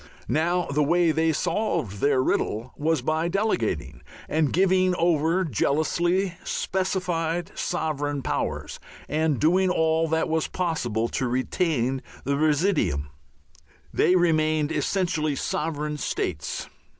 Now the way they solved their riddle was by delegating and giving over jealously specified sovereign powers and doing all that was possible to retain the residuum. They remained essentially sovereign states.